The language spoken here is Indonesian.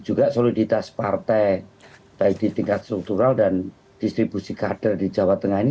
juga soliditas partai baik di tingkat struktural dan distribusi kader di jawa tengah ini